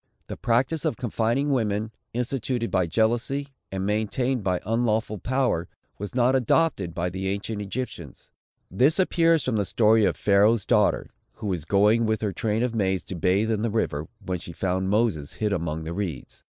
The practice of confining women, instituted by jealousy, and maintained by unlawful power, was not adopted by the ancient Egyptians. This appears from the story of Pharaoh's daughter, who was going with her train of maids to bathe in the river, when she found Moses hid among the reeds.